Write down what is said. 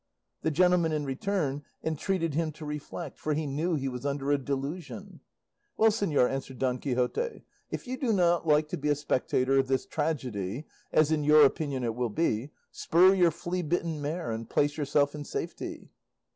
The gentleman in return entreated him to reflect, for he knew he was under a delusion. "Well, señor," answered Don Quixote, "if you do not like to be a spectator of this tragedy, as in your opinion it will be, spur your flea bitten mare, and place yourself in safety."